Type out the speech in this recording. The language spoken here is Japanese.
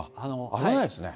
危ないですね。